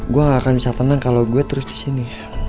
gue gak akan bisa tenang kalo gue terus disini